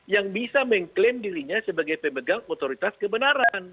yang bisa mengklaim dirinya sebagai pemegang otoritas kebenaran